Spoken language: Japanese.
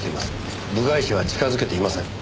部外者は近づけていません。